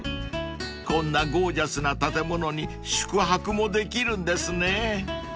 ［こんなゴージャスな建物に宿泊もできるんですね］